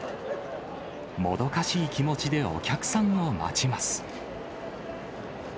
もどかしい気持ちでお客さんを待ちます。